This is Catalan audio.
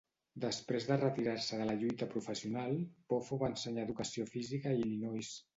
Després de retirar-se de la lluita professional, Poffo va ensenyar educació física a Illinois.